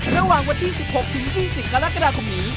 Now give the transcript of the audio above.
ระหว่างวันที่๑๖๒๐กรกฎาคมนี้